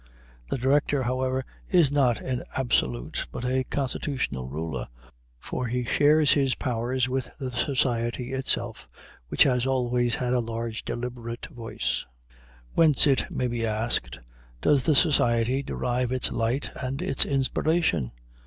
The director, however, is not an absolute but a constitutional ruler; for he shares his powers with the society itself, which has always had a large deliberative voice. Whence, it may be asked, does the society derive its light and its inspiration?